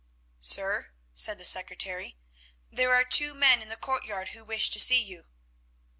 "Sir," said the secretary, "there are two men in the courtyard who wish to see you."